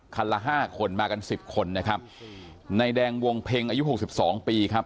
ละห้าคนมากันสิบคนนะครับในแดงวงเพ็งอายุหกสิบสองปีครับ